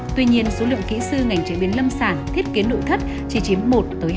tuy nhiên số lượng kỹ sư ngành chế biến lâm sản thiết kiến nội thất chỉ chiếm một hai